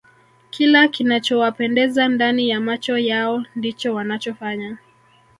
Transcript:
kila kinachowapendeza ndani ya macho yao ndicho wanachofanya